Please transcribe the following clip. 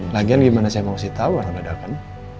lagian gimana sih yang ngasih tau orang orang dewa kan